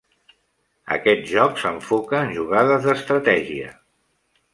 Aquest joc s'enfoca en jugades d'estratègia.